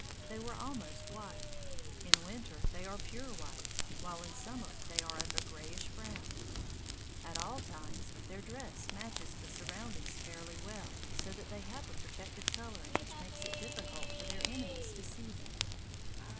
They were almost white; in winter they are pure white, while in summer they are of a grayish brown. At all times their dress matches the surroundings fairly well, so that they have a protective coloring which makes it difficult for their enemies to see them.